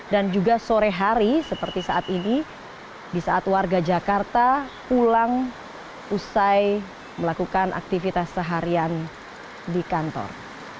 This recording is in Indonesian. dan juga sore hari seperti saat ini di saat warga jakarta pulang usai melakukan aktivitas seharian di kantor